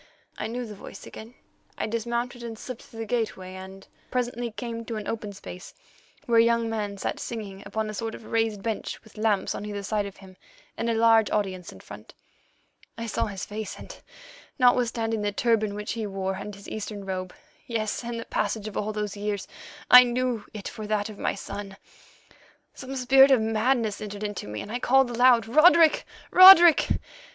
"I knew the voice again. I dismounted and slipped through the gateway, and presently came to an open space, where a young man sat singing upon a sort of raised bench with lamps on either side of him, and a large audience in front. I saw his face and, notwithstanding the turban which he wore and his Eastern robe—yes, and the passage of all those years—I knew it for that of my son. Some spirit of madness entered into me, and I called aloud, 'Roderick, Roderick!